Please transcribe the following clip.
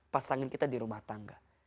pasangan kita di rumah tangga